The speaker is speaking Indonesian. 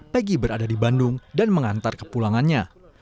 pegi berada di bandung dan mengantar ke pulangannya